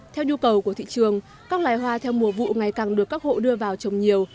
theo nhu cầu của thị trường các loài hoa theo mùa vụ ngày càng được các hộ đưa vào trồng nhiều